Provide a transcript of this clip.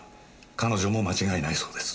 彼女も間違いないそうです。